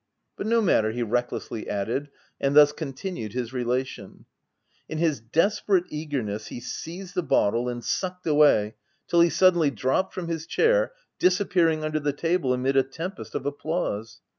" But no matter," he recklessly added, and thus con tinued his relation —" In his desperate eager ness, he seized the bottle and sucked away, till he suddenly dropped from his chair, disappear ing under the table amid a tempest of applause.